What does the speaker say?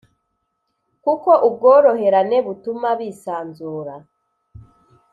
kuko ubworoherane butuma bisanzura,